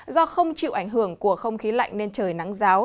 do không chịu ảnh hưởng của không khí lạnh nên trời nắng giáo